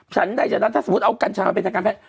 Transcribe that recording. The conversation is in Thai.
ฉันใดฉันนั้นถ้าสมมุติเอากัญชามาเป็นทางการแพทย